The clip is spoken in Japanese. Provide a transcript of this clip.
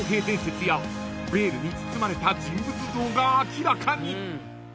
伝説やベールに包まれた人物像が明らかに］